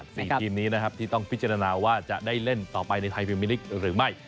สี่ทีมนี้นะครับที่ต้องพิจารณาว่าจะได้เล่นต่อไปในไทยพิมมิลิกหรือไม่